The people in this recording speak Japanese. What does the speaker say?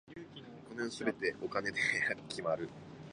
この世の全てはお金で決まる。